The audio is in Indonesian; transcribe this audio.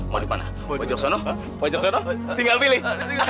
mau di mana wajah sana tinggal pilih